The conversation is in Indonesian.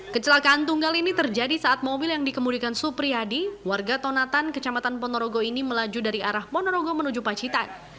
kecelakaan tunggal ini terjadi saat mobil yang dikemudikan supriyadi warga tonatan kecamatan ponorogo ini melaju dari arah ponorogo menuju pacitan